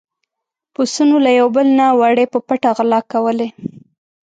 پسونو له يو بل نه وړۍ په پټه غلا کولې.